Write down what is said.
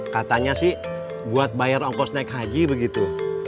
katanya sih buat bayar ongkos naik haji begitu